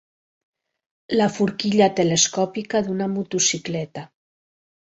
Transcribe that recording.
La forquilla telescòpica d'una motocicleta.